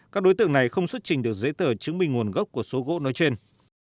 các đối tượng này không xuất trình được giấy tờ chứng minh nguồn gốc của số gỗ nói trên